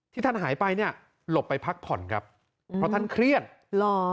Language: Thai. ท่านหายไปเนี่ยหลบไปพักผ่อนครับเพราะท่านเครียดหรอ